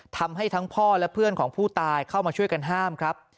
ทำให้ทั้งพ่อและเพื่อนของผู้ตายเข้ามาช่วยกันห้ามครับ